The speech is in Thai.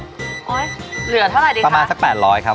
อุ้ยอุ้ยเหลือเท่าไหร่ดีคะประมาณสักแปดร้อยครับผม